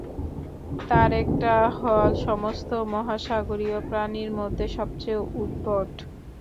তার একটা হল সমস্ত মহাসাগরীয় প্রাণীর মধ্যে সবচেয়ে উদ্ভট।